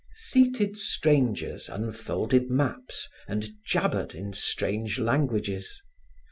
Seated strangers unfolded maps and jabbered in strange languages.